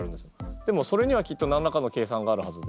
でもそれには何らかの計算があるはずで。